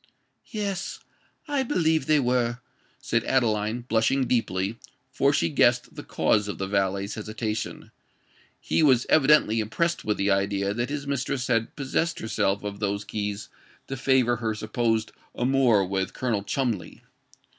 "Yes—I believe they were," said Adeline, blushing deeply—for she guessed the cause of the valet's hesitation: he was evidently impressed with the idea that his mistress had possessed herself of those keys to favor her supposed amour with Colonel Cholmondeley.